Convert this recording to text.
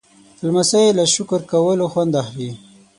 لمسی له شکر کولو خوند اخلي.